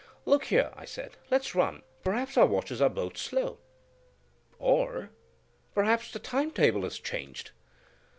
"Look here," I said, "let's run; perhaps our watches are both slow." "Or—perhaps the time table is changed."